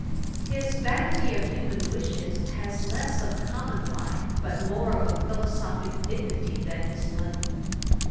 His Vanity of Human Wishes has less of common life, but more of a philosophick dignity than his London.